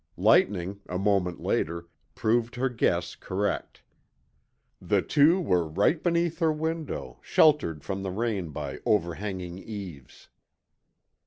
Lightning, a moment later, proved her guess correct. The two were right beneath her window, sheltered from the rain by overhanging eaves.